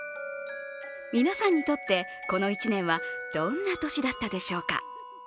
皆さんにとってこの１年はどんな年だったでしょうか。